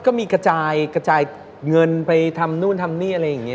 ก็มีกระจายกระจายเงินไปทำนู่นทำนี่อะไรอย่างนี้